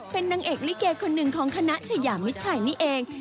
เป็นนางเอกลิเกคนหนึ่งของคณะชายามิดชัยนี่เอง